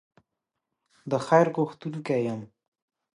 د خیر غوښتونکی یم.